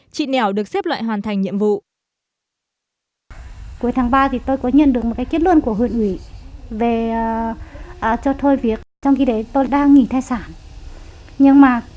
chị nẻo được xếp loại hoàn thành nhiệm vụ